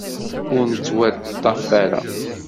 Ur nettwaḍḍaf ara.